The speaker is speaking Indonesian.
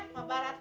mau barat tak